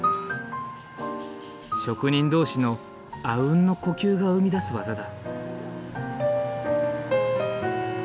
職人同士の阿吽の呼吸が生み出す技だ。